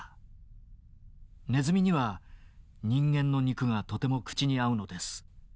ネズミには人間の肉がとても口に合うのです。